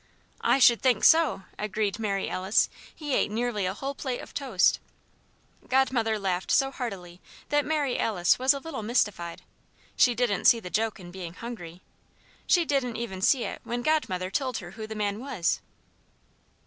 "I should think so!" agreed Mary Alice. "He ate nearly a whole plate of toast." Godmother laughed so heartily that Mary Alice was a little mystified. She didn't see the joke in being hungry. She didn't even see it when Godmother told her who the man was.